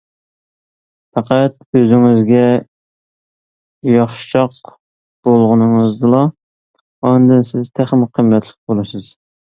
پەقەت ئۆزىڭىزگە ياخشىچاق بولغىنىڭىزدىلا ئاندىن سىز تېخىمۇ قىممەتلىك بولىسىز.